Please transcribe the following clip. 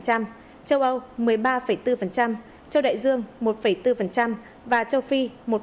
châu âu một mươi ba bốn châu đại dương một bốn và châu phi một